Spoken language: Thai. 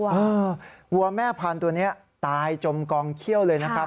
วัวแม่พันธุ์ตัวนี้ตายจมกองเขี้ยวเลยนะครับ